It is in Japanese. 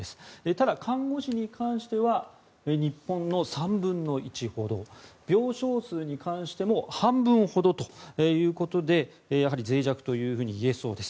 ただ看護師に関しては日本の３分の１ほど病床数に関しても半分ほどということでやはりぜい弱といえそうです。